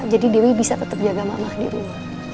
jadi dewi bisa tetap jaga mama di rumah